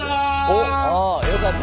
おっ。